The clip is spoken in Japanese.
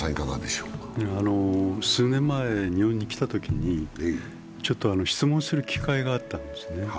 数年前、日本に来たときに質問する機会があったんですね。